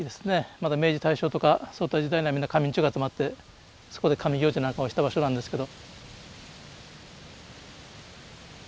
まだ明治大正とかそういった時代にはみんな神人が集まってそこで神行事なんかをした場所なんですけど。